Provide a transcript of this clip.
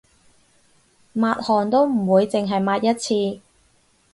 抹汗都唔會淨係抹一次